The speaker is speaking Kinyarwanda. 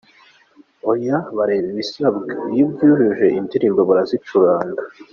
Oya bareba ibisabwa, iyo ubyujuje indirimbo barazicuranga”.